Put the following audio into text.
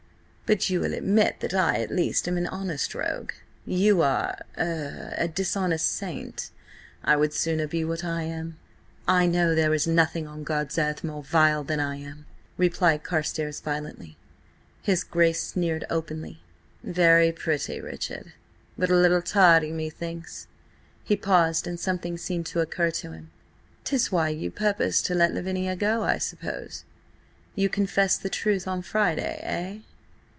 But you will admit that I at least am an honest rogue. You are–er–a dishonest saint. I would sooner be what I am." "I know there is nothing on God's earth more vile than I am!" replied Carstares, violently. His Grace sneered openly. "Very pretty, Richard, but a little tardy, methinks." He paused, and something seemed to occur to him. "'Tis why you purpose to let Lavinia go, I suppose? You confess the truth on Friday–eh?"